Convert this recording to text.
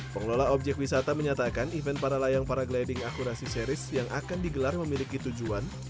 pengelola objek wisata menyatakan event para layang para gliding akurasi series yang akan digelar memiliki tujuan